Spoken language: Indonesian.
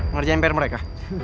ngerjain pr mereka